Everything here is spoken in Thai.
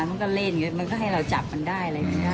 มันก็เล่นมันก็ให้เราจับมันได้